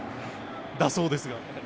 だそうですが。